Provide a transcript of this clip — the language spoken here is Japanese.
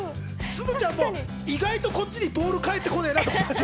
すずちゃんも意外とこっちにボールが返ってこねぇなと思ってる。